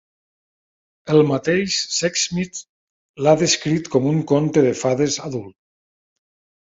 El mateix Sexsmith l'ha descrit com un "comte de fades adult".